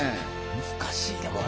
難しいでこれ。